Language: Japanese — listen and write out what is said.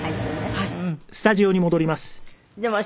はい。